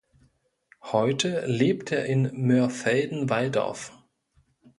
Heute lebt er in Mörfelden-Walldorf.